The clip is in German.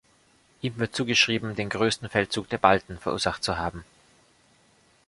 Ihm wird zugeschrieben, den größten Feldzug der Balten versucht zu haben.